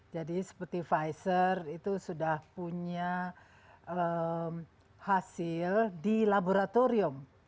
jadi seperti pfizer itu sudah punya hasil di laboratorium